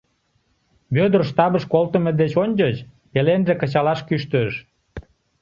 Вӧдыр штабыш колтымо деч ончыч пеленже кычалаш кӱштыш.